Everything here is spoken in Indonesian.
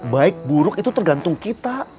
baik buruk itu tergantung kita